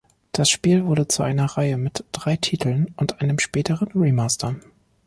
Das Spiel wurde zu einer Reihe mit drei Titeln und einem späteren Remaster.